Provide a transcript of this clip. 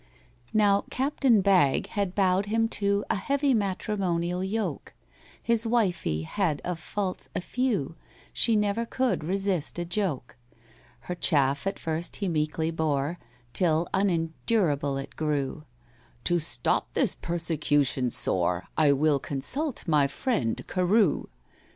Now, CAPTAIN BAGG had bowed him to A heavy matrimonial yoke— His wifey had of faults a few— She never could resist a joke. Her chaff at first he meekly bore, Till unendurable it grew. "To stop this persecution sore I will consult my friend CAREW.